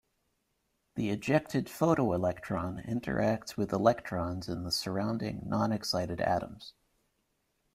The ejected photoelectron interacts with electrons in the surrounding non-excited atoms.